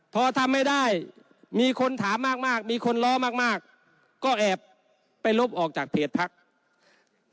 พอทำไม่ได้มีคนถามมากมีคนล้อมากก็แอบไปลบออกจากเพจพัก